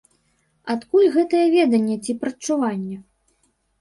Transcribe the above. Адкуль гэтае веданне ці прадчуванне?